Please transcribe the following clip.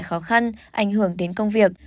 khó khăn ảnh hưởng đến công việc